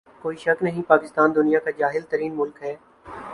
کوئی شک نہیں پاکستان دنیا کا جاھل ترین ملک ہے